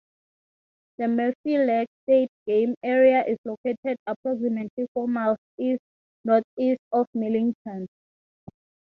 The Murphy Lake State Game Area is located approximately four miles east-northeast of Millington.